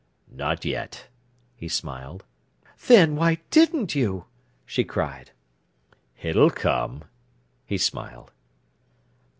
"Not yet," he smiled. "Then, why didn't you?" she cried. "It'll come," he smiled.